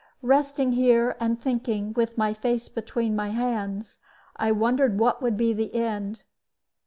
Besting here, and thinking, with my face between my hands, I wondered what would be the end.